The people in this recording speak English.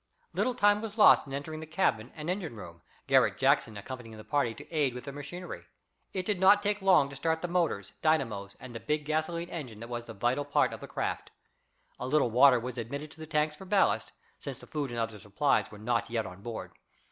Little time was lost in entering the cabin and engine room, Garret Jackson accompanying the party to aid with the machinery. It did not take long to start the motors, dynamos and the big gasolene engine that was the vital part of the craft. A little water was admitted to the tanks for ballast, since the food and other supplies were not yet on board.